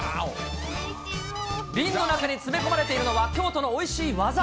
瓶の中に詰め込まれているのは京都のおいしい技。